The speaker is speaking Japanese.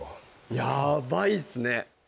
やばいっすね